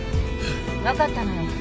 分かったのよ。